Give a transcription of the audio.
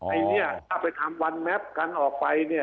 อันนี้ถ้าไปทำวันแม็ปกันออกไปเนี่ย